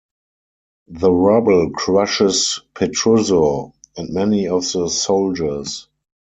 The rubble crushes Petruzzo and many of the soldiers.